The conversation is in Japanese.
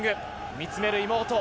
見つめる妹。